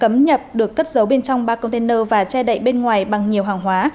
các container hàng nhập được cất giấu bên trong ba container và che đậy bên ngoài bằng nhiều hàng hóa